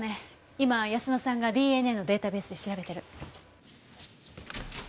今泰乃さんがＤＮＡのデータベースで調べてる。